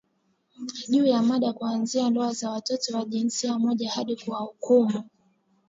juu ya mada kuanzia ndoa za watu wa jinsia moja hadi kuwahukumu